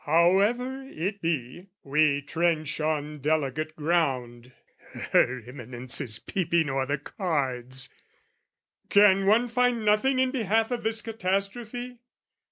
However it be, we trench on delicate ground, Her Eminence is peeping o'er the cards, Can one find nothing in behalf of this Catastrophe?